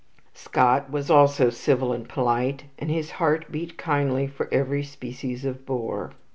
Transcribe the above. Scott was also civil and polite, and his heart beat kindly for every species of bore.